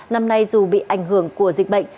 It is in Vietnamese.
năm nay dù bị ảnh hưởng của dịch bệnh